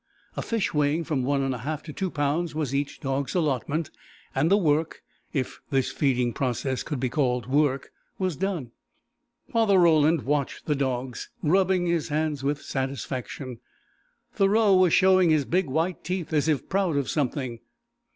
A fish weighing from one and a half to two pounds was each dog's allotment, and the work if this feeding process could be called work was done. Father Roland watched the dogs, rubbing his hands with satisfaction. Thoreau was showing his big, white teeth, as if proud of something.